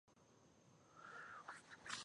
د خوست هوايي ډګر کله جوړ شو؟